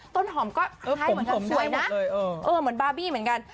ต้นหอมก็คล้ายเหมือนหอมสวยนะเหมือนบาร์บี้เหมือนกัน